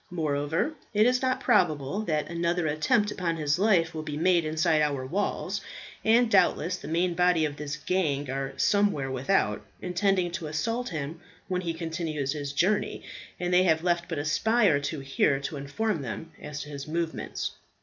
Moreover, it is not probable that another attempt upon his life will be made inside our walls; and doubtless the main body of this gang are somewhere without, intending to assault him when he continues his journey, and they have left but a spy or two here to inform them as to his movements.